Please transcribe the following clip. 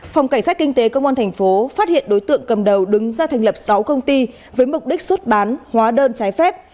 phòng cảnh sát kinh tế công an thành phố phát hiện đối tượng cầm đầu đứng ra thành lập sáu công ty với mục đích xuất bán hóa đơn trái phép